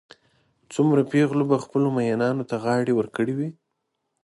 څومره پېغلو به خپلو مئینانو ته غاړې ورکړې وي.